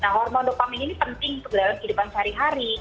nah hormon dopaming ini penting untuk dalam kehidupan sehari hari